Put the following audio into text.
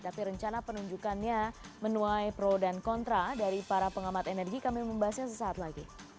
tapi rencana penunjukannya menuai pro dan kontra dari para pengamat energi kami membahasnya sesaat lagi